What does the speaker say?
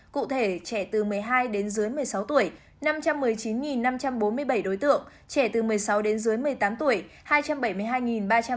cụ thể trẻ từ một mươi hai đến dưới một mươi sáu tuổi năm trăm một mươi chín năm trăm bốn mươi bảy đối tượng trẻ từ một mươi sáu đến dưới một mươi tám tuổi